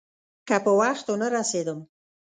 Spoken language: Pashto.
که په وخت ونه رسېدم.